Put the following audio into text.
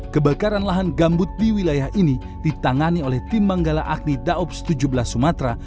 kebakaran lahan gambut di wilayah ini ditangani oleh tim manggala agni daobs tujuh belas sumatera